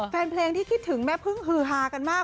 แฟนเพลงที่คิดถึงแม่พึ่งฮือฮากันมาก